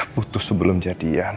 putus sebelum jadian